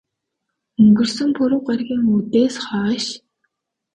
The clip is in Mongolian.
Өнгөрсөн пүрэв гаригийн үдээс хойш.